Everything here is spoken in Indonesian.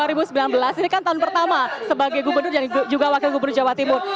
ini kan tahun pertama sebagai gubernur dan juga wakil gubernur jawa timur